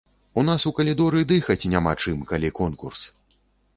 У нас у калідоры дыхаць няма чым, калі конкурс.